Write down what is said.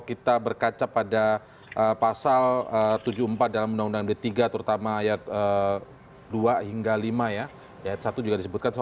kita berkaca pada pasal tujuh puluh empat dalam undang undang d tiga terutama ayat dua hingga lima ya ayat satu juga disebutkan